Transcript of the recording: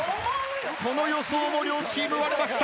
この予想も両チーム割れました。